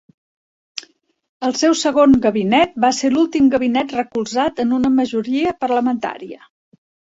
El seu segon gabinet va ser l'últim gabinet recolzat en una majoria parlamentària.